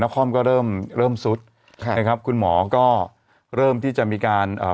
คอมก็เริ่มเริ่มซุดค่ะนะครับคุณหมอก็เริ่มที่จะมีการอ่า